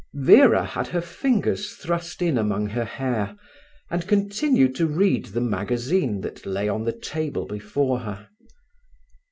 Vera had her fingers thrust in among her hair, and continued to read the magazine that lay on the table before her.